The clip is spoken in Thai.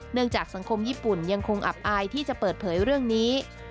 จากสังคมญี่ปุ่นยังคงอับอายที่จะเปิดเผยเรื่องนี้